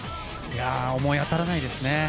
思い当たらないですね。